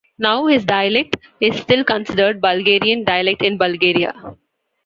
Now his dialect is still considered Bulgarian dialect in Bulgaria.